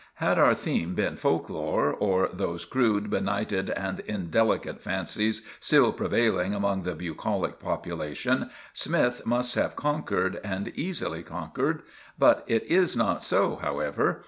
Had our theme been folklore, or those crude, benighted and indelicate fancies still prevailing among the bucolic population, Smythe must have conquered, and easily conquered. It is not so, however.